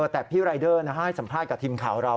แต่พี่รายเดอร์ให้สัมภาษณ์กับทีมข่าวเรา